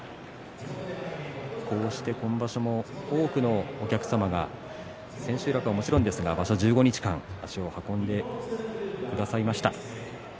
こうして多くのお客様が千秋楽は、もちろんですが１５日間、足を運んでくださいました。